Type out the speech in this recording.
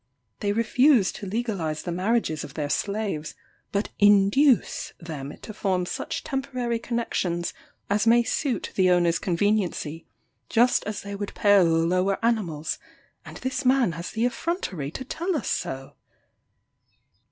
They refuse to legalize the marriages of their slaves, but induce them to form such temporary connexions as may suit the owner's conveniency, just as they would pair the lower animals; and this man has the effrontery to tell us so!